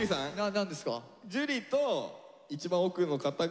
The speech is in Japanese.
何ですか？